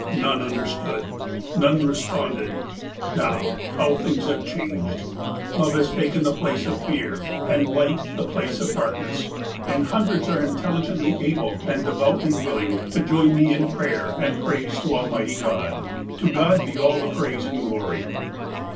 None understood. None responded. Now, how things have changed ! Love has taken the place of fear, and light the place of darkness, and hundreds are intelU gently able, and devoutly willing, to join me in prayer and praise to Almighty God. " To God be all the praise and glory